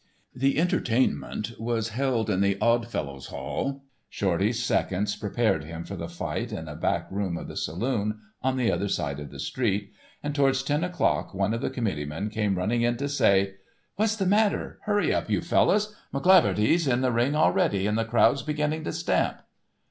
The "entertainment" was held in the Odd Fellows' Hall. Shorty's seconds prepared him for the fight in a back room of the saloon, on the other side of the street, and towards ten o'clock one of the committeemen came running in to say: "What's the matter? Hurry up, you fellows, McCleaverty's in the ring already, and the crowd's beginning to stamp."